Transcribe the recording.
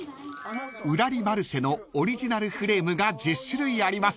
［うらりマルシェのオリジナルフレームが１０種類あります］